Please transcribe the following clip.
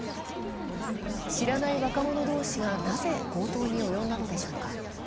知らない若者同士がなぜ強盗に及んだのでしょうか。